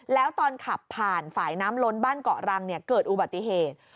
แล้วตอนขับผ่านฝ่ายน้ำล้นบ้านเกาะรังเกิดอุบัติเหตุ